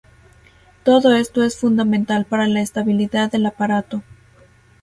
Todo esto es fundamental para la estabilidad del aparato.